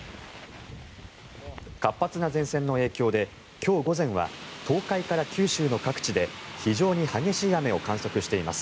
活発な前線の影響で今日午前は東海から九州の各地で非常に激しい雨を観測しています。